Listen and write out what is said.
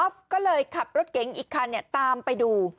ก็เลยขับรถเก๋งอีกคันตามไปดู